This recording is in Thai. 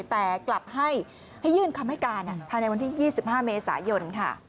แต่กลับให้ยื่นคำให้การภายในวันที่๒๕เมษายนค่ะ